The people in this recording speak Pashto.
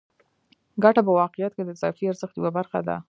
ګته په واقعیت کې د اضافي ارزښت یوه برخه ده